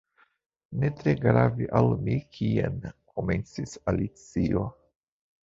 "Ne tre grave al mi kien " komencis Alicio.